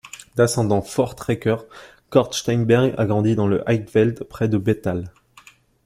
D'ascendant voortrekker, Coert Steynberg a grandi dans le Highveld près de Bethal.